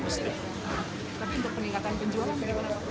tapi untuk peningkatan penjualan berapa